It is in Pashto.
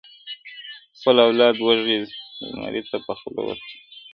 خپل اولاد وږي زمري ته په خوله ورکړم؛